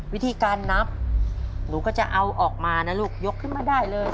วิธีการนับหนูก็จะเอาออกมานะลูกยกขึ้นมาได้เลย